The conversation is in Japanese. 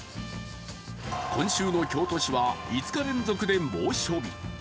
今週の京都市は５日連続で猛暑日。